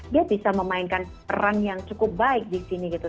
dia bisa memainkan peran yang cukup baik di sini gitu